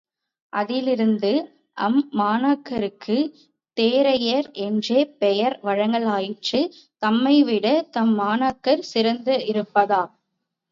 அதிலிருந்து அம் மாணக்கர்க்கு தேரையர் என்றே பெயர் வழங்கலாயிற்று— தம்மைவிடத் தம் மாணாக்கர் சிறந்திருப்பதா?